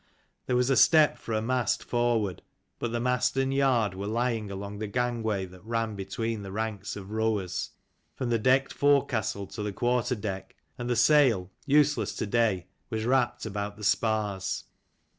There was a step for a mast forward, but the mast and yard were lying along the gangway that ran between the ranks of rowers, from the decked forecastle to the quarter deck ; and the sail, useless to day, was wrapped about the spars.